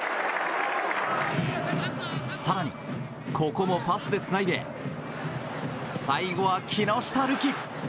更に、ここもパスでつないで最後は木下瑠己。